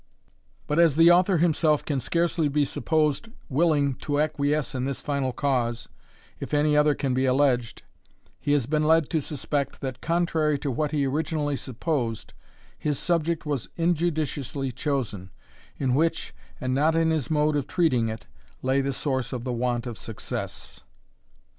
But as the author himself can scarcely be supposed willing to acquiesce in this final cause, if any other can be alleged, he has been led to suspect, that, contrary to what he originally supposed, his subject was injudiciously chosen, in which, and not in his mode of treating it, lay the source of the want of success.